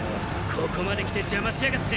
ここまできてジャマしやがって！